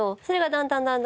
それがだんだん